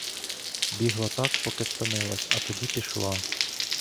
Бігла так, поки втомилась, а тоді пішла.